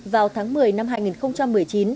vào tháng một mươi năm hai nghìn một mươi chín